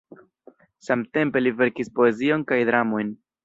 Samtempe li verkis poezion kaj dramojn.